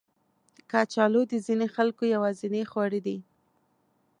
کچالو د ځینو خلکو یوازینی خواړه دي